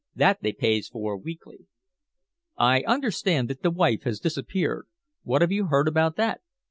That they pays for weekly." "I understand that the wife has disappeared. What have you heard about that?"